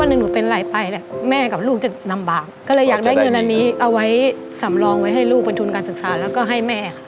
ร้องได้ร้องได้ร้องได้